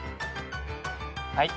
はい。